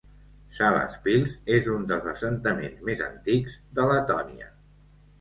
Salaspils és un dels assentaments més antics de Letònia.